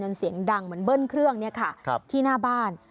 เสียงดังเหมือนเบิ้ลเครื่องเนี่ยค่ะที่หน้าบ้าน